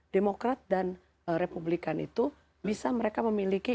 demokrat dan republikan itu bisa mereka memiliki